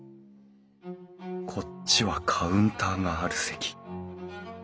こっちはカウンターがある席。